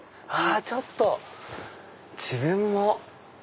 ちょっと自分も。